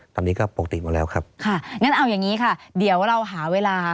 ตอนนี้ก็ปกติหมดแล้วครับค่ะงั้นเอาอย่างงี้ค่ะเดี๋ยวเราหาเวลา